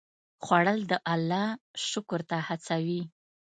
خوړل د الله شکر ته هڅوي